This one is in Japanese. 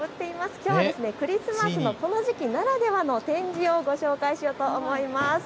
きょうはクリスマスのこの時期ならではの展示をご紹介しようと思います。